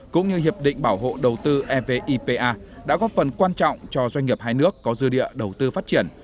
cũng như hiệp định bảo hộ đầu tư evipa đã góp phần quan trọng cho doanh nghiệp hai nước có dư địa đầu tư phát triển